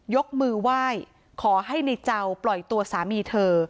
ยกมือไหว้ขอให้ในเจ้าปล่อยตัวสามีเธอ